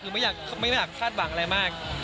คือไม่อยากคาดหวังอะไรมาก